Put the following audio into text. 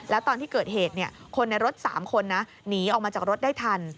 แล้วตอนที่เกิดเหตุคนในรถ๓คนนะหนีออกมาจากรถได้ทัน